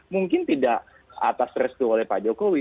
mungkin tidak atas restu oleh pak jokowi